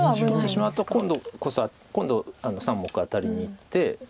取ってしまうと今度３目アタリにいって。